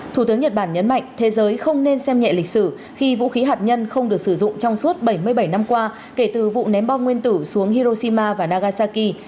thủ tướng nhật bản nhấn mạnh thế giới không nên xem nhẹ lịch sử khi vũ khí hạt nhân không được sử dụng trong suốt bảy mươi bảy năm qua kể từ vụ ném bom nguyên tử xuống hiroshima và nagasaki